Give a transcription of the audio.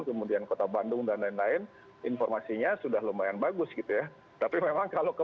kemudian kota bandung dan lain lain informasinya sudah lumayan bagus gitu ya tapi memang kalau ke